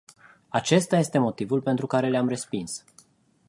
Acesta este motivul pentru care le-am respins.